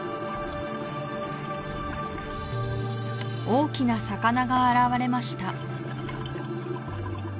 大きな魚が現れました